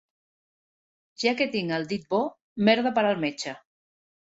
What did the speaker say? Ja que tinc el dit bo, merda per al metge.